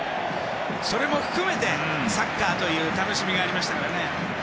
それも含めて、サッカーという楽しみがありましたから。